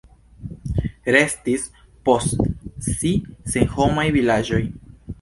Restis post si senhomaj vilaĝoj.